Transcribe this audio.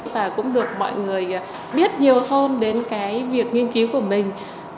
và cũng được mọi người biết nhiều hơn đến cái việc nghiên cứu của mình